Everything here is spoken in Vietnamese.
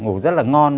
ngủ rất là ngon